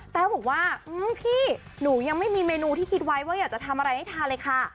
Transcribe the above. แต้วบอกว่าพี่หนูยังไม่มีเมนูที่คิดไว้ว่าอยากจะทำอะไรให้ทานเลยค่ะ